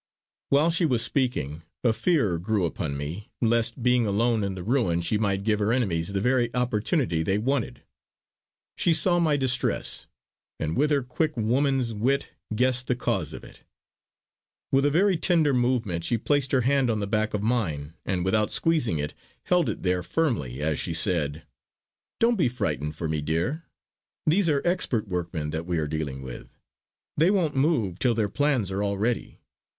While she was speaking a fear grew upon me lest being alone in the ruin she might give her enemies the very opportunity they wanted. She saw my distress, and with her quick woman's wit guessed the cause of it. With a very tender movement she placed her hand on the back of mine, and without squeezing it held it there firmly as she said: "Don't be frightened for me, dear. These are expert workmen that we are dealing with. They won't move till their plans are all ready.